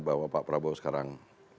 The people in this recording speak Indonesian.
bahwa pak prabowo sekarang